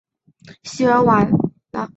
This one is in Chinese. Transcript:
西尔瓦内。